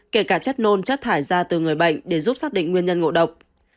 kể cả chất nôn chất thải ra từ người bệnh để giúp xác định nguyên nhân ngộ độc